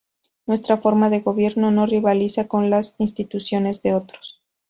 Nuestra forma de gobierno no rivaliza con las instituciones de otros.